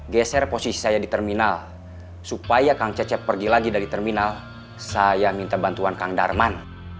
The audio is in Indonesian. geser posisi saya di terminal supaya kang cecep pergi lagi dari terminal saya minta bantuan kang darman